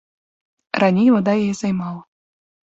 Раней вада яе займала.